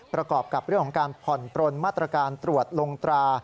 ประกอบกับเรื่องของการผ่อนปลนมาตรการตรวจลงตรา